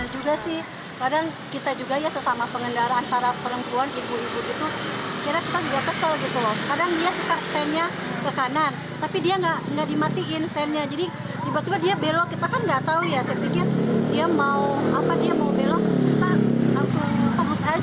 jalan jalan di depan malah galakan jalan